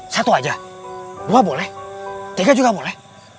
satu aja dua boleh tiga juga boleh